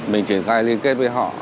mình triển khai liên kết với họ